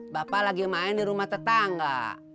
bapak lagi main di rumah tetangga